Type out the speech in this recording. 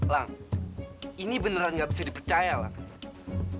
lang ini beneran gak bisa dipercaya lah